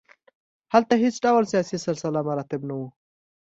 هلته هېڅ ډول سیاسي سلسله مراتب نه وو.